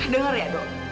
dengar ya dok